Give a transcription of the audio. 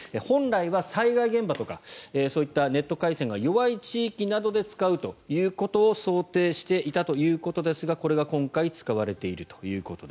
本来は災害現場とかそういったネット回線が弱い地域で使うということを想定していたということですがこれが今回、使われていると。